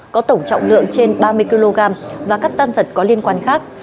có tổng trọng lượng trên ba mươi kg và các tan vật có liên quan khác